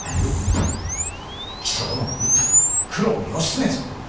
木曽殿を討ったのは九郎義経じゃ。